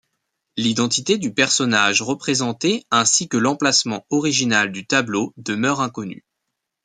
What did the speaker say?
L'identité du personnage représenté ainsi que l'emplacement original du tableau demeure inconnue.